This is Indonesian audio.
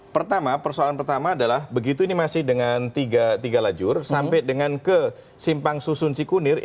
pertama persoalan pertama adalah begitu ini masih dengan tiga lajur sampai dengan ke simpang susun cikunir